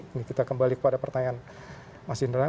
ini kita kembali kepada pertanyaan mas indra